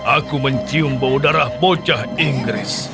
aku mencium bau darah bocah inggris